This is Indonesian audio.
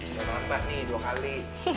gak apa apa nih dua kali